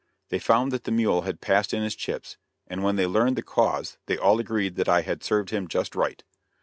They found that the mule had passed in his chips, and when they learned the cause they all agreed that I had served him just right.